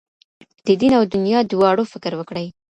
د دین او دنیا دواړو فکر وکړئ.